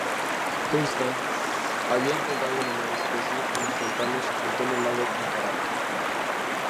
Dunstan había encontrado una nueva especie en los pantanos en torno al lago Nicaragua.